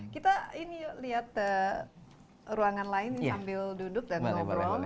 kita ini yuk lihat ruangan lain sambil duduk dan ngobrol